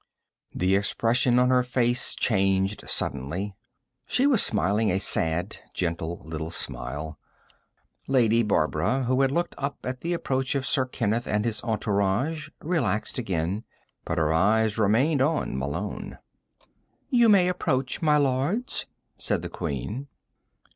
_ The expression on her face changed suddenly. She was smiling a sad, gentle little smile. Lady Barbara, who had looked up at the approach of Sir Kenneth and his entourage, relaxed again, but her eyes remained on Malone. "You may approach, my lords," said the Queen.